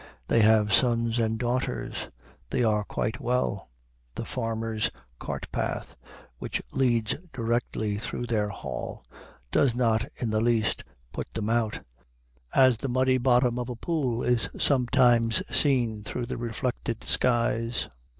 They have sons and daughters. They are quite well. The farmer's cart path, which leads directly through their hall, does not in the least put them out, as the muddy bottom of a pool is sometimes seen through the reflected skies.